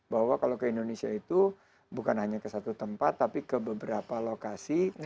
bahwa kalau ke indonesia itu bukan hanya ke satu tempat tapi ke beberapa lokasi